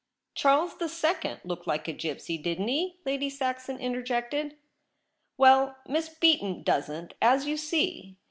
' Charles the Second looked like a gipsy, didn't he ?' Lady Saxon interjected. 'Well, Miss Beaton doesn't, as you see.